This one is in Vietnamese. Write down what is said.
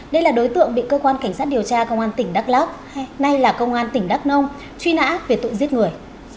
đây là đối tượng bị cơ quan cảnh sát điều tra công an tỉnh đắk lắk nay là công an tỉnh đắk nông truy nã về tội giết người